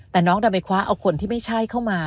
แต่น้องเราไปคว้าเอาคนที่ไม่ใช่เข้ามา